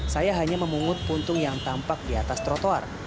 saya hanya memungut puntung yang tampak di atas trotoar